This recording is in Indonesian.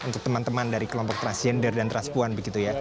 untuk teman teman dari kelompok transgender dan transpuan begitu ya